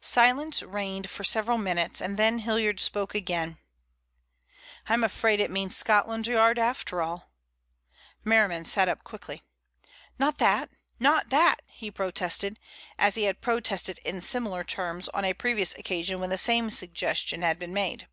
Silence reigned for several minutes and then Hilliard spoke again. "I'm afraid it means Scotland Yard after all." Merriman sat up quickly. "Not that, not that!" he protested, as he had protested in similar terms on a previous occasion when the same suggestion had been made.